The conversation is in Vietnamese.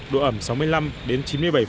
độ ẩm sáu mươi năm đến chín mươi bảy